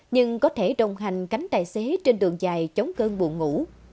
nhưng có thể đồng hành cánh tài xế trên đường dài chống cơn buồn ngủ